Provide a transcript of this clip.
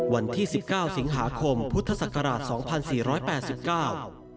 วันที่๑๙สิงหาคมพุทธศักราช๒๔๘๙